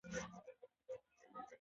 په دامونو کي یې کښېوتل سېلونه